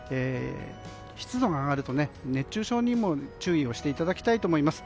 湿度が上がると熱中症にも注意をしていただきたいと思います。